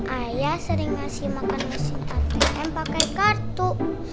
ayah sering ngasih makan masuk atm pakai kartu